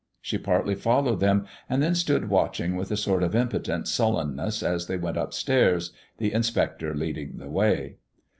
She partly followed them and then stood watching with a sort of impotent sullenness as they went up stairs, the inspector leading the way.